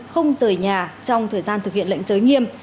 không rời nhà trong thời gian thực hiện lệnh giới nghiêm